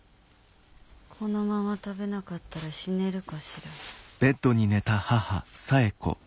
このまま食べなかったら死ねるかしら。